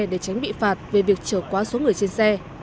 để tránh bị phạt về việc trở quá số người trên xe